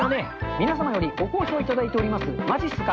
皆さんよりご好評いただいております、まじっすか。